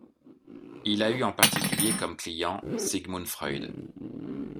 Il a eu en particulier comme client Sigmund Freud.